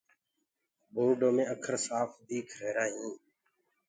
بورڊو مي اکر سآڦ ديک رهيرآ هينٚ۔